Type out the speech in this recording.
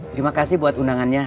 terima kasih buat undangannya